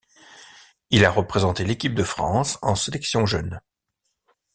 Il a représenté l'Équipe de France en sélections jeunes.